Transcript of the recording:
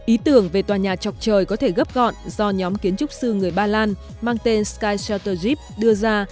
ý tưởng về tòa nhà chọc chơi có thể gấp gọn do nhóm kiến trúc sư người ba lan mang tên sky shelter jeep đưa ra